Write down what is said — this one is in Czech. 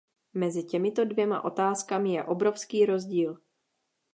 Mezi těmito dvěma otázkami je obrovský rozdíl.